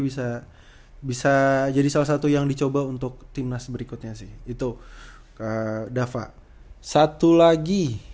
bisa bisa jadi salah satu yang dicoba untuk timnas berikutnya sih itu dava satu lagi